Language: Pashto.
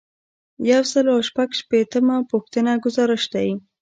یو سل او شپږ شپیتمه پوښتنه ګزارش دی.